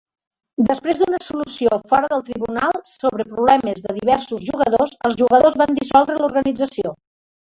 Després d'una solució fora del tribunal sobre problemes de diversos jugadors, els jugadors van dissoldre l'organització.